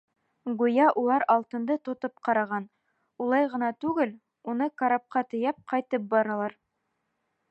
Гүйә улар алтынды тотоп ҡараған, улай ғына түгел, уны карапҡа тейәп ҡайтып баралар.